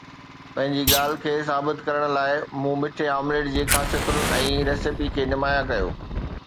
پنهنجي ڳالهه کي ثابت ڪرڻ لاءِ مون مٺي آمليٽ جي خاصيتن ۽ ريسيپي کي نمايان ڪيو